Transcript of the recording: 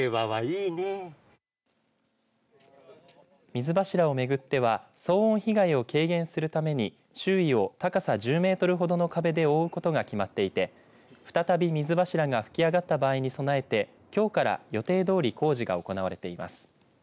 水柱を巡っては騒音被害を軽減するために周囲を高さ１０メートルほどの壁で覆うことが決まっていて再び水柱が噴き上がった場合に備えてきょうから予定どおり工事が行われています。